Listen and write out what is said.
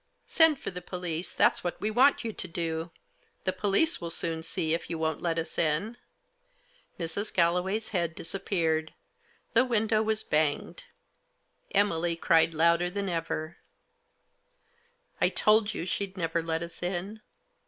" Send for the police, that's what we want you to do. The police will soon see if you won't let us in." Mrs. Galloway's head disappeared ; the window was banged. Emily cried louder than ever, " I told you she'd never let us in."